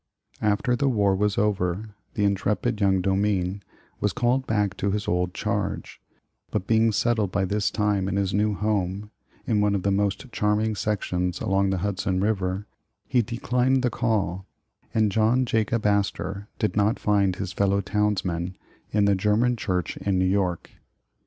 After the war was over, the intrepid young Domine was called back to his old charge, but being settled by this time in his new home, in one of the most charming sections along the Hudson River, he declined the call, and John Jacob Astor did not find his fellow towns man in the German Church in New York.